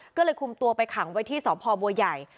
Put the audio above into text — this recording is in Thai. ก็เลยคุมตัวไปขังไว้ที่สพบัวใหญ่